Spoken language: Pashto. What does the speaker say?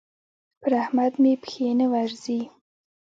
پر احمد مې پښې نه ورځي.